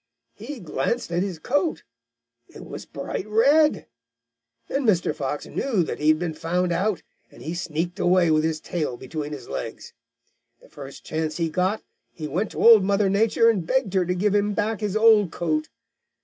He glanced at his coat. It was bright red! Then Mr. Fox knew that he had been found out, and he sneaked away with his tail between his legs. The first chance he got, he went to Old Mother Nature and begged her to give him back his old coat.